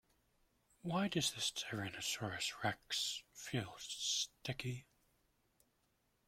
Why does this tyrannosaurus rex feel sticky?